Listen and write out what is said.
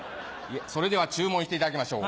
それでは注文していただきましょう。